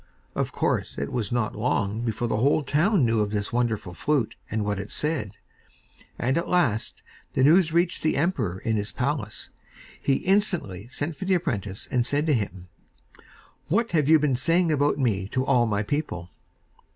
Of course, it was not long before the whole town knew of this wonderful flute and what it said; and, at last, the news reached the emperor in his palace. He instantly sent for the apprentice and said to him: 'What have you been saying about me to all my people?